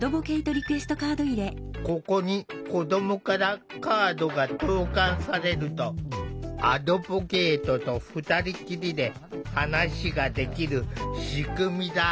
ここに子どもからカードが投かんされるとアドボケイトと２人きりで話ができる仕組みだ。